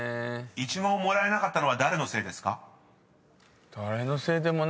［イチゴをもらえなかったのは誰のせいですか？］